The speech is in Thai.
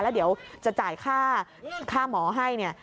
แล้วเดี๋ยวจะจ่ายค่าหมอให้เนี่ย